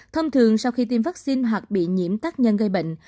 thông thường sau khi tiêm vaccine hoặc bị nhiễm tác nhân gây bệnh